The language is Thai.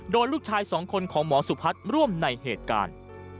ลูกชายสองคนของหมอสุพัฒน์ร่วมในเหตุการณ์